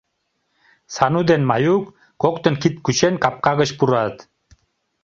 Сану ден Маюк, коктын кид кучен, капка гыч пурат.